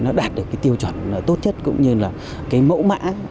nó đạt được cái tiêu chuẩn tốt nhất cũng như là cái mẫu mã